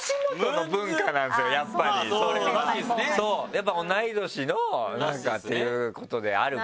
やっぱ同い年のなんかっていうことであるから。